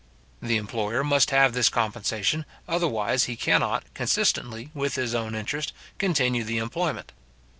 The employer must have this compensation, otherwise he cannot, consistently with his own interest, continue the employment.